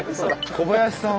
小林さん。